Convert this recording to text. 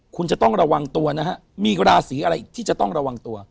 คุณจะต้องระวังตัวนะฮะมีราศีอะไรอีกที่จะต้องระวังตัว